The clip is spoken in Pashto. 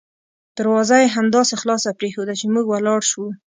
دروازه یې همداسې خلاصه پریښودله چې موږ ولاړ شوو.